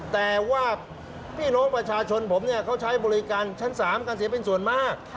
แต่ว่าพี่น้องประชาชนผมเนี่ยเขาใช้บริการชั้น๓กันเสียเป็นส่วนมาก